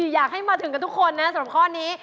อยากให้มาถึงกับทุกคนนะสำหรับข้อนี้